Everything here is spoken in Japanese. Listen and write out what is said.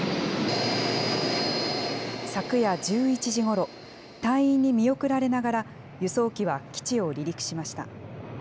昨夜１１時ごろ、隊員に見送られながら、輸送機は基地を離陸しました。